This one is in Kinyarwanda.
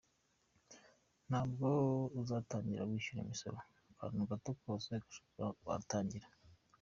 Ntabwo uzatangira wishyura imisoro, akantu gato kose gashoboka watangira.